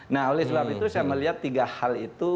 nah oleh sebab itu saya melihat tiga hal itu